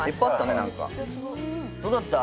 何かどうだった？